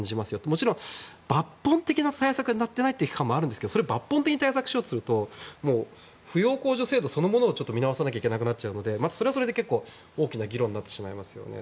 もちろん、抜本的な対策になっていないという批判もあるんですけど抜本的に対策しようとすると扶養控除制度そのものを見直さなきゃいけなくなっちゃうのでそれはそれで大きな議論になってしまいますよね。